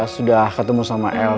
sudah ketemu sama el